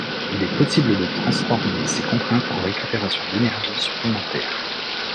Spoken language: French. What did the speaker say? Il est possible de transformer ces contraintes en récupération d'énergie supplémentaire.